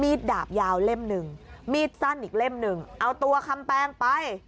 ดาบยาวเล่มหนึ่งมีดสั้นอีกเล่มหนึ่งเอาตัวคำแปงไป